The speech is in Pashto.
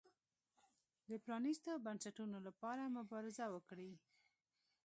د پرانیستو بنسټونو لپاره مبارزه وکړي.